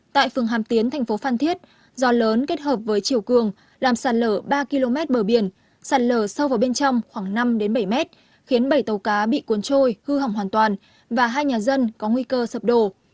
tại phường hàm tiến thành phố phan thiết do lớn kết hợp với chiều cường làm sạt lở ba km bờ biển sạt lở sâu vào bên trong khoảng năm bảy mét khiến bảy tàu cá bị cuốn trôi hư hỏng hoàn toàn và hai nhà dân có nguy cơ sập đổ